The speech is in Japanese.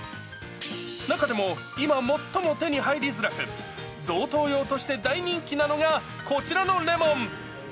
中でも、今、最も手に入りづらく、贈答用として大人気なのがこちらのレモン。